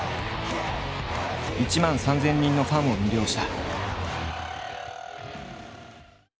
１万３，０００人のファンを魅了した。